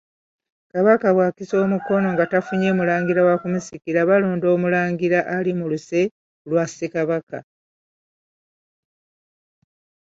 Kabaka bw’akisa omukono nga tafunye mulangira wa kumusikira balonda Omulangira ali mu luse lwa Ssekabaka.